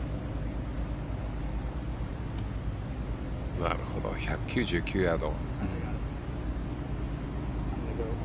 なるほど１９９ヤード。